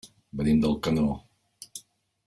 Venim d'Alcanó.